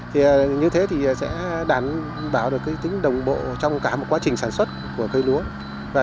thì như thế thì sẽ đảm bảo được tính đồng bộ trong cả một quá trình sản xuất của cây lúa